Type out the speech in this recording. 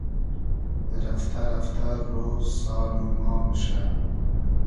رئفتۂ رئفتۂ رۉز سال و ما موشۂ